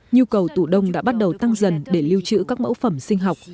nhu cầu tủ đông đã bắt đầu tăng dần để lưu trữ các mẫu phẩm sinh học